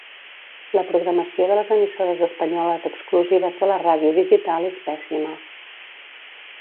La programació de les emissores espanyoles exclusives de la ràdio digital és pèssima.